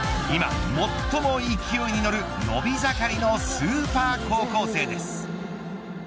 今最も勢いに乗る伸び盛りのスーパー高校生です。